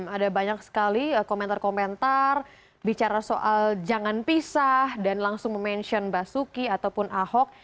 ada banyak sekali komentar komentar bicara soal jangan pisah dan langsung mention basuki ataupun ahok